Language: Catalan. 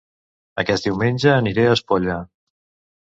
Aquest diumenge aniré a Espolla